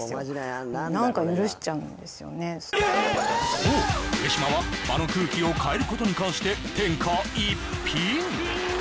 そう上島は場の空気を変えることに関して天下一品！